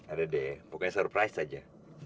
ada deh pokoknya surprise aja